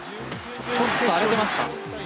ちょっと荒れてますか。